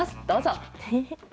どうぞ。